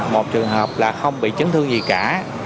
một trường hợp là không bị chấn thương gì cả